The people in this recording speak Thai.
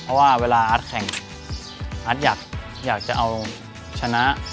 เพราะว่าเวลาอาร์ตแข่งอาร์ตอยากจะเอาชนะ